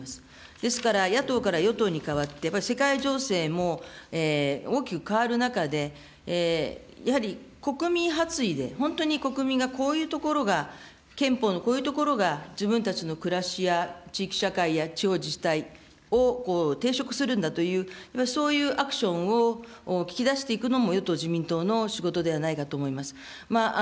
ですから、野党から与党に変わって、世界情勢も大きく変わる中で、やはり国民発意で、本当に国民がこういうところが、憲法のこういうところが自分たちの暮らしや地域社会や地方自治体を抵触するんだという、そういうアクションを引き出していくのも、与党・自民党の仕事ではないかと思います。